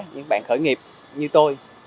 những bạn khởi nghiệp như tôi